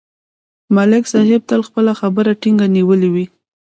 ملک صاحب تل خپله خبره ټینګه نیولې وي